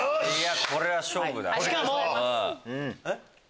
これは勝負だ。